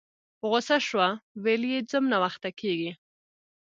په غوسه شوه ویل یې ځم ناوخته کیږي